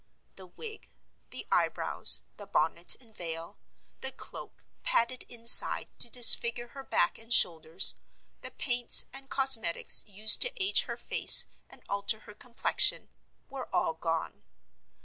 The wig; the eyebrows; the bonnet and veil; the cloak, padded inside to disfigure her back and shoulders; the paints and cosmetics used to age her face and alter her complexion—were all gone.